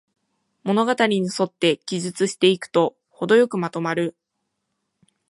物語にそって記述していくと、ほどよくまとまる